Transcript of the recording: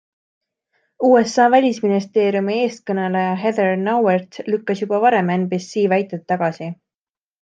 USA välisministeeriumi eestkõneleja Heather Nauert lükkas juba varem NBC väited tagasi.